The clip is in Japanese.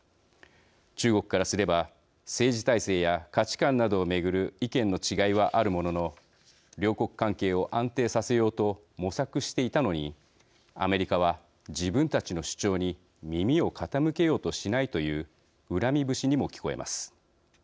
中国からすれば政治体制や価値観などを巡る意見の違いはあるものの両国関係を安定させようと模索していたのにアメリカは自分たちの主張に耳を傾けようとしないという恨み節にも聞こえます。